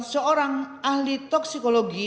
seorang ahli toksikologi